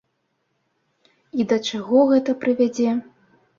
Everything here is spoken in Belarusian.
І да чаго гэта прывядзе?